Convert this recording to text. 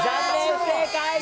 不正解。